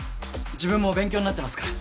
自分も勉強になってますから。